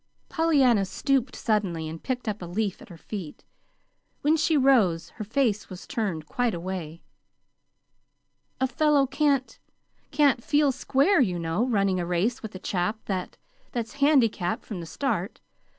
Pollyanna stooped suddenly, and picked up a leaf at her feet. When she rose, her face was turned quite away. "A fellow can't can't feel square, you know, running a race with a chap that that's handicapped from the start.